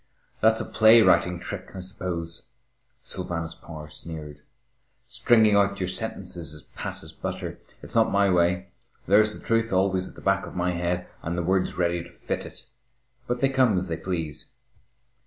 "That's a play writing trick, I suppose," Sylvanus Power sneered, "stringing out your sentences as pat as butter. It's not my way. There's the truth always at the back of my head, and the words ready to fit it, but they come as they please."